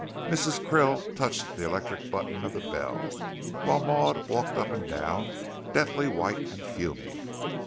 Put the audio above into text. Mrs. Krill touched the electric button of the bell, while Maud walked up and down, deathly white and fuming.